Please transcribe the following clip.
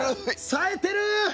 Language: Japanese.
さえてる。